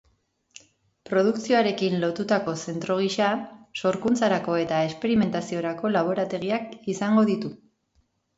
Produkzioarekin lotutako zentro gisa, sorkuntzarako eta esperimentaziorako laborategiak izango ditu.